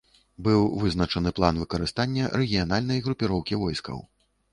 Быў вызначаны план выкарыстання рэгіянальнай групоўкі войскаў.